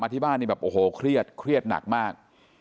ที่บ้านนี่แบบโอ้โหเครียดเครียดหนักมาก